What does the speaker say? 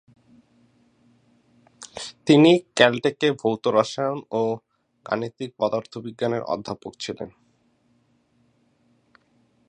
তিনি ক্যালটেকে ভৌত রসায়ন ও গাণিতিক পদার্থবিজ্ঞানের অধ্যাপক ছিলেন।